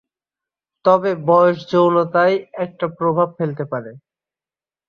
তবে বয়স যৌনতায় একটা প্রভাব ফেলতে পারে।